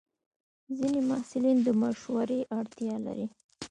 ځینې محصلین د مشورې اړتیا لري.